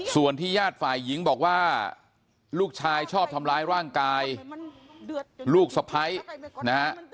ส่วนที่ญาติฝ่ายหญิงบอกว่าลูกชายชอบทำร้ายร่างกายลูกสะพ้ายนะฮะ